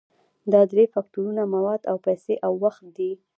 دا درې فکتورونه مواد او پیسې او وخت دي.